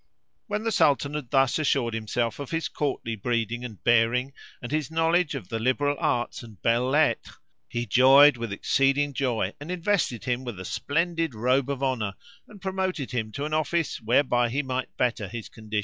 When the Sultan had thus assured himself of his courtly breeding and bearing and his knowledge of the liberal arts and belles lettres, he joyed with exceeding joy and invested him with a splendid robe of honour and promoted him to an office whereby he might better his condition.